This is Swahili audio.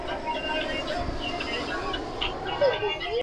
wa kuongeza matumizi ya serikali katika masuala mbalimbali